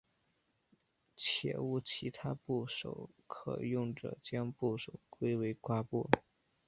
且无其他部首可用者将部首归为瓜部。